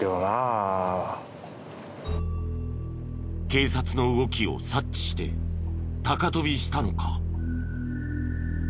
警察の動きを察知して高飛びしたのか？